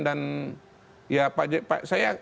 dan ya pak j pak